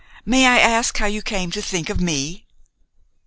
"May I ask how you came to think of me?"